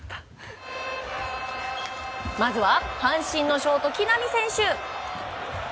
まずは阪神のショート、木浪選手。